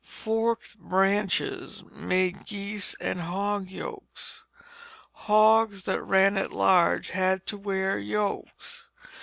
Forked branches made geese and hog yokes. Hogs that ran at large had to wear yokes.